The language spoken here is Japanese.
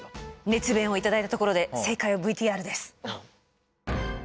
熱弁を頂いたところで正解のＶＴＲです。